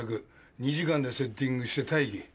２時間でセッティングして待機。